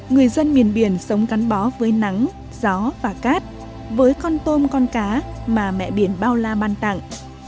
người dân miền biển sống gắn bó với nắng gió và cát với con tôm con cá mà mẹ biển bao la ban tặng